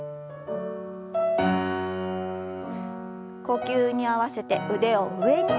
呼吸に合わせて腕を上に。